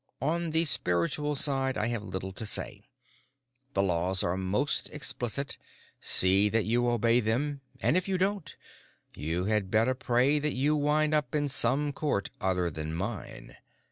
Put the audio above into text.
On the spiritual side, I have little to say. The laws are most explicit; see that you obey them—and if you don't, you had better pray that you wind up in some court other than mine.